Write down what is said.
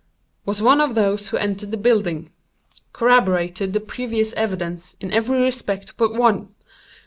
Was one of those who entered the building. Corroborated the previous evidence in every respect but one.